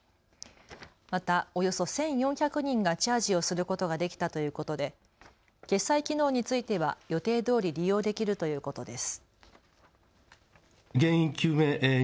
またおよそ１４００人がチャージをすることができたということで決済機能については予定どおり利用できるということです。